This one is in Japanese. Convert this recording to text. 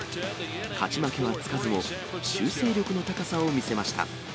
勝ち負けはつかずも、修正力の高さを見せました。